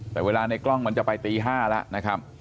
แต่เวลาในกล้องมันจะไปตี๕แล้วนะครับ